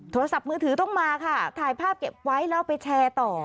โทรศัพท์มือถือต้องมาค่ะถ่ายภาพเก็บไว้แล้วไปแชร์ต่อ